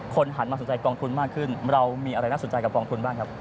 หันมาสนใจกองทุนมากขึ้นเรามีอะไรน่าสนใจกับกองทุนบ้างครับ